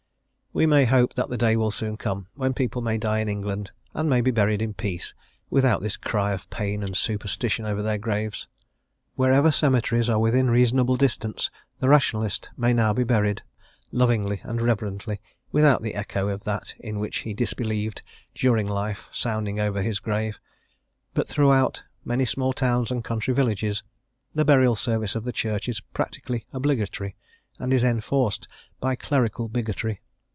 We may hope that the day will soon come when people may die in England and may be buried in peace without this cry of pain and superstition over their graves. Wherever cemeteries are within reasonable distance the Rationalist may now be buried, lovingly and reverently, without the echo of that in which he disbelieved during life sounding over his grave; but throughout many small towns and country villages the Burial Service of the Church is practically obligatory, and is enforced by clerical bigotry.